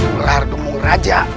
ular dumung raja